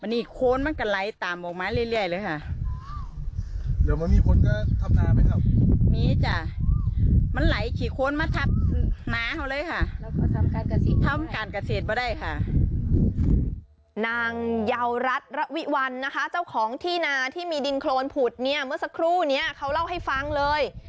นางเยาวรัฐระวิวัลนะคะเจ้าของที่นาที่มีดินโครนผุดเนี่ยเมื่อสักครู่นี้เขาเล่าให้ฟังเลย